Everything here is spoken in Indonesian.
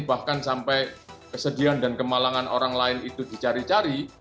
bahkan sampai kesedihan dan kemalangan orang lain itu dicari cari